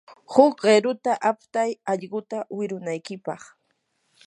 huk qiruta aptay allquta wirunaykipaq.